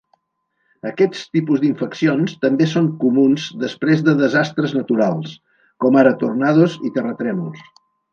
Aquests tipus d'infeccions també són comuns després de desastres naturals, com ara tornados i terratrèmols.